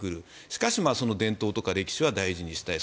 しかし、その伝統とか歴史は大事にしたい。